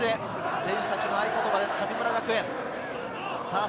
選手たちの合言葉です、神村学園。